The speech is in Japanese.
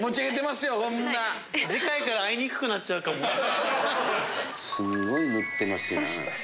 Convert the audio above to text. すんごい塗ってますやん。